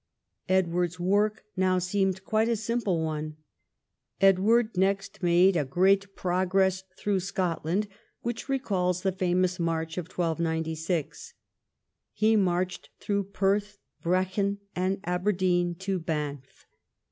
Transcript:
Edward's work now seemed quite a simple one. Edward next made a great progress throughout Scotland, which recalls the famous march in 1296. He marched through Perth, Brechin, and Aberdeen to Banff.